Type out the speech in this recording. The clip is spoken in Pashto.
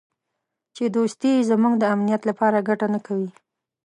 چې دوستي یې زموږ د امنیت لپاره ګټه نه کوي.